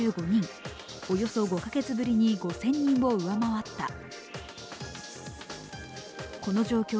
およそ５カ月ぶりに５０００人を上回った。